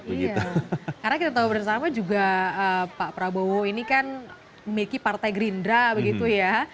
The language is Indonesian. iya karena kita tahu bersama juga pak prabowo ini kan memiliki partai gerindra begitu ya